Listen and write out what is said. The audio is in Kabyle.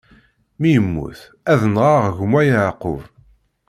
Mi yemmut, ad nɣeɣ gma Yeɛqub.